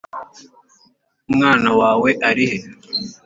Umwana wawe arihe?